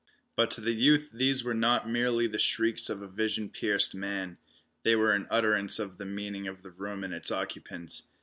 But to the youth these were not merely the shrieks of a vision pierced man: they were an utterance of the meaning of the room and its occupants.